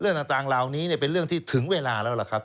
เรื่องต่างเหล่านี้เป็นเรื่องที่ถึงเวลาแล้วล่ะครับ